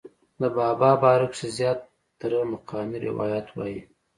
د بابا باره کښې زيات تره مقامي روايات وائي